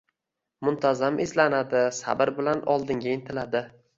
muntazam izlanadi, sabr bilan oldinga intiladi.